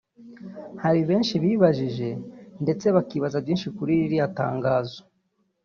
Hari benshi bibajije ndetse bakibaza byinshi kuri ririya tangazo